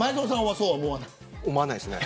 思わないですね。